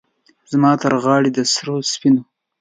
زما ترغاړې د سرو، سپینو،